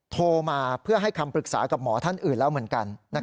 โทรมาเพื่อให้คำปรึกษากับหมอท่านอื่นแล้วเหมือนกัน